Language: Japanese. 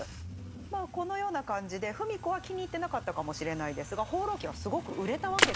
まあこのような感じで芙美子は気に入ってなかったかもしれないですが「放浪記」はすごく売れたわけですよ。